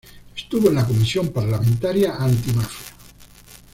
Estuvo en la Comisión parlamentaria Antimafia.